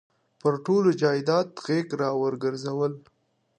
پر ټول جایداد غېږ را ورګرځوله.